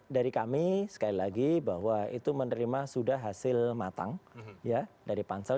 dari kami sekali lagi bahwa itu menerima sudah hasil matang ya dari pansel